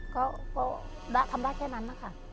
ก็ทำได้แค่นั้นนะคะ